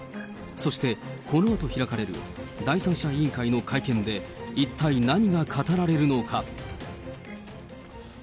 そしてこのあと開かれる第三者委員会の会見で、一体何が語られるのか。